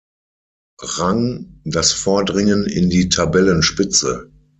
Rang das Vordringen in die Tabellenspitze.